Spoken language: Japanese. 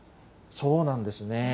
そうなんですね。